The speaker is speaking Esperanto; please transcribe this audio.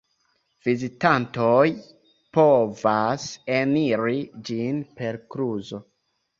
Vizitantoj povas eniri ĝin per kluzo.